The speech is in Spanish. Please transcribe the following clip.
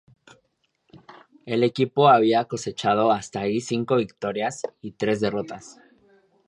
El equipo había cosechado hasta ahí cinco victorias y tres derrotas.